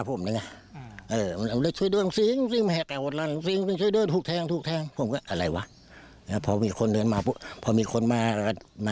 ผมก็เดินมาอยู่ตรงนี้ดูทางนี้มันเป็นอะไรของมันวะ